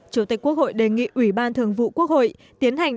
chủ tịch quốc hội đề nghị ủy ban thường vụ quốc hội tiến hành